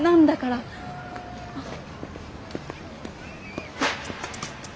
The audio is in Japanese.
あっ。